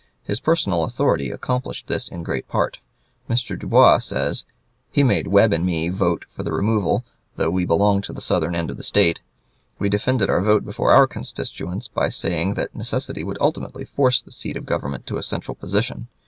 His personal authority accomplished this in great part. Mr. Dubois says: "He made Webb and me vote for the removal, though we belonged to the southern end of the State. We defended our vote before our constituents by saying that necessity would ultimately force the seat of government to a central position.